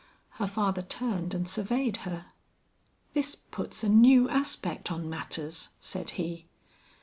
Her father turned and surveyed her. "This puts a new aspect on matters," said he.